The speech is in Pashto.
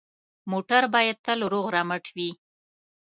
موټر باید تل روغ رمټ وي.